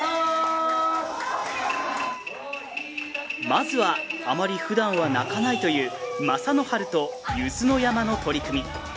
まずはあまり、ふだんは泣かないという正ノ前とゆづの山の取組。